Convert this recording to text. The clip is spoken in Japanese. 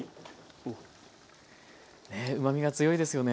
ねっうまみが強いですよね。